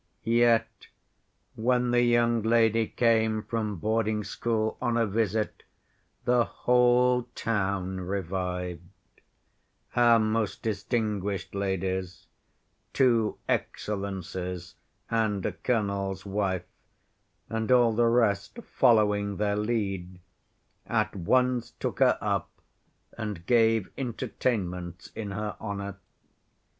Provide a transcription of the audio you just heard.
"Yet, when the young lady came from boarding‐school on a visit, the whole town revived. Our most distinguished ladies—two 'Excellencies' and a colonel's wife—and all the rest following their lead, at once took her up and gave entertainments in her honor.